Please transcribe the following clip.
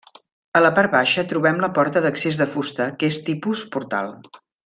A la part baixa trobem la porta d'accés de fusta que és tipus portal.